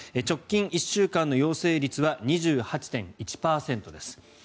直近１週間の陽性率は２８．１％です。